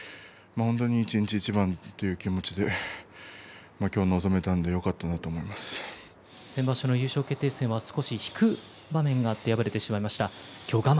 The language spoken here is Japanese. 一日一番という気持ちで今日臨めたんで先場所優勝決定戦少し引く場面があって敗れてしまいました。